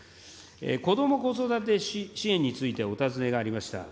こども・子育て支援についてお尋ねがありました。